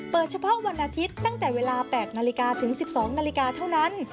เฉพาะวันอาทิตย์ตั้งแต่เวลา๘นาฬิกาถึง๑๒นาฬิกาเท่านั้น